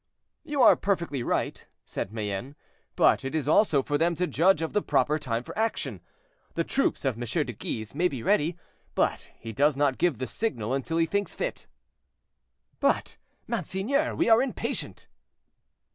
"You are perfectly right," said Mayenne, "but it is also for them to judge of the proper time for action. The troops of M. de Guise may be ready, but he does not give the signal until he thinks fit." "But, monseigneur, we are impatient."